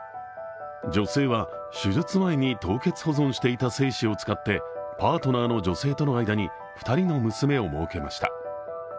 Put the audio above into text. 女性は、手術前に凍結保存していた精子を使ってパートナーの女性との間に２人の娘をもうけました。